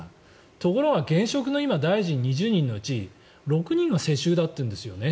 ところが現職の大臣２０人のうち６人は世襲だというんです。